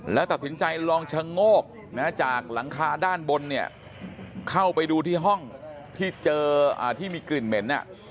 แล้วตัดสินใจลองชะโงกจากหลังคาด้านบนเนี่ยเข้าไปดูที่ห้องที่เจอที่มีกลิ่นเหม็น